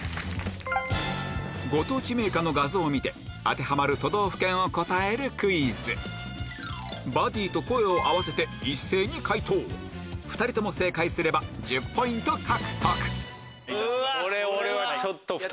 ご当地銘菓の画像を見て当てはまる都道府県を答えるクイズバディと声を合わせて一斉に解答２人とも正解すれば１０ポイント獲得これ俺はちょっと。